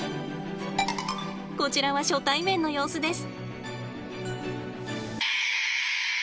こちらは初対面の様子です。